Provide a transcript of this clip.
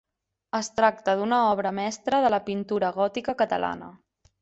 Es tracta d'una obra mestra de la pintura gòtica catalana.